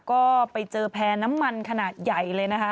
ก็ไปเจอแพร่น้ำมันขนาดใหญ่เลยนะคะ